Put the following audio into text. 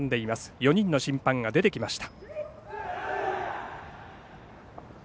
４人の審判が出てきました。